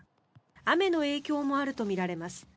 雨の影響もあるとみられます。